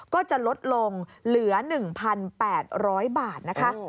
ก็จะลดลงเหลือ๑๘๐๐บาทนะคะ